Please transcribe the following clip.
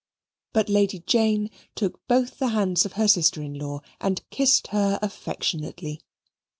But Lady Jane took both the hands of her sister in law and kissed her affectionately.